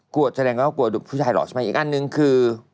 กลัวเจรงก็กลัวผู้ชายหลอกใช่ไหมอีกอันหนึ่งคือ